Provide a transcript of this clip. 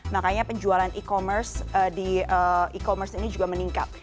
makanya penjualan e commerce di e commerce ini juga meningkat